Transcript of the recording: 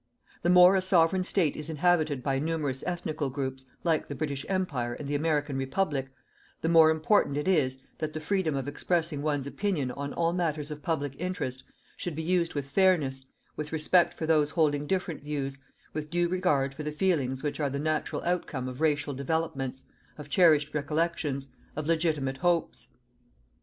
The more a Sovereign State is inhabited by numerous ethnical groups, like the British Empire and the American Republic, the more important it is that the freedom of expressing one's opinion on all matters of public interest should be used with fairness, with respect for those holding different views, with due regard for the feelings which are the natural outcome of racial developments, of cherished recollections, of legitimate hopes.